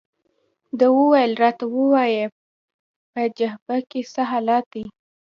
ده وویل: راته ووایه، په جبهه کې څه حالات دي؟